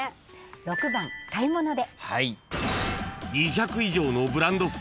６番買い物で。